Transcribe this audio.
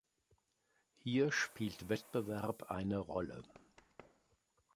Hier spielt Wettbewerb eine Rolle.